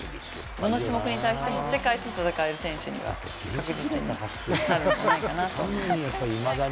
どの種目に対しても、世界と戦える選手には確実になるんじゃないかなと思います。